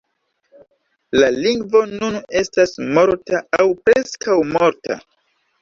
La lingvo nun estas morta aŭ preskaŭ morta.